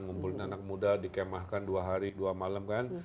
ngumpulin anak muda dikemahkan dua hari dua malam kan